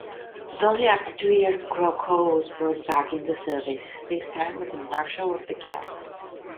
But only after two years Krockow was brought back into service: this time as marshal of the camp.